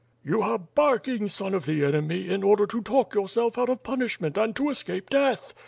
"You are barking, son of the enemy, in order to talk your self out of punishment, and to escape death!"